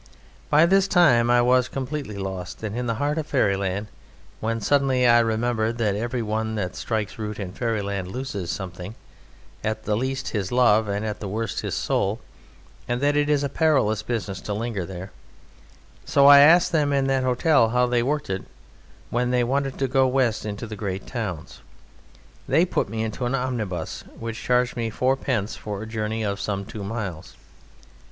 By this time I was completely lost, and in the heart of Fairyland, when suddenly I remembered that everyone that strikes root in Fairyland loses something, at the least his love and at the worst his soul, and that it is a perilous business to linger there, so I asked them in that hotel how they worked it when they wanted to go west into the great towns. They put me into an omnibus, which charged me fourpence for a journey of some two miles.